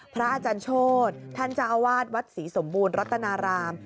พระอาจารย์โชธท่านเจ้าอาวาสวัดศรีสมบูรณ์รัตนาราม